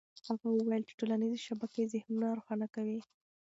هغه وویل چې ټولنيزې شبکې ذهنونه روښانه کوي.